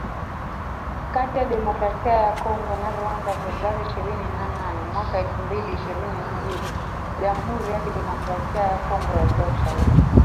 kati ya Demokrasia ya Kongo na Rwanda Februari ishirini na nane mwaka elfu mbili ishirini na mbili jamuhuri ya kidemokrasia ya Kongo yatoa ushahidi